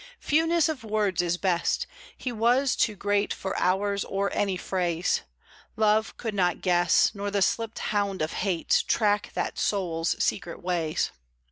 Fewness of words is best; he was too great For ours or any phrase. Love could not guess, nor the slipped hound of hate Track that soul's secret ways.